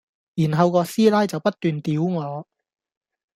然後個師奶就不斷屌我